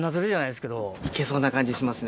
いけそうな感じしますね。